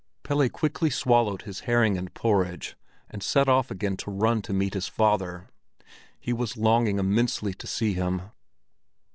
Pelle quickly swallowed his herring and porridge, and set off again to run to meet his father; he was longing immensely to see him.